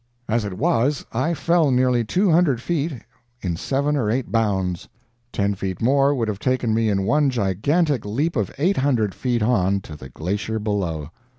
As it was, I fell nearly two hundred feet in seven or eight bounds. Ten feet more would have taken me in one gigantic leap of eight hundred feet on to the glacier below.